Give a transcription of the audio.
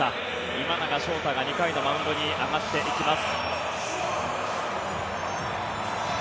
今永昇太が２回のマウンドに上がっていきます。